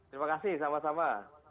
terima kasih sama sama